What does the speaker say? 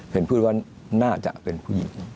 พูดว่าน่าจะเป็นผู้หญิง